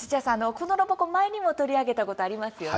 このロボコン前にも取り上げたことありますよね。